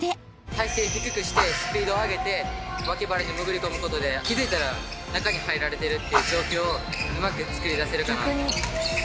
体勢低くしてスピード上げて脇腹に潜り込むことで気付いたら中に入られてるっていう状況をうまくつくりだせるかな。